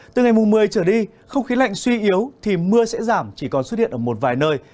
từ ngày một mươi trở đi không khí lạnh suy yếu thì mưa sẽ giảm chỉ còn xuất hiện ở một vài nơi